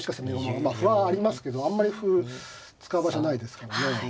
歩はありますけどあんまり歩使う場所ないですからね。